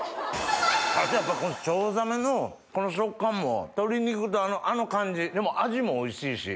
あとやっぱこのチョウザメのこの食感も鶏肉とあの感じでも味もおいしいし。